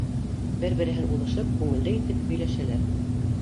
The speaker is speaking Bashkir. Бер-береһен уҙышып, күңелле итеп һөйләшәләр: